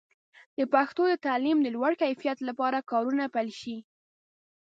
د پښتو د تعلیم د لوړ کیفیت لپاره کارونه پیل شي.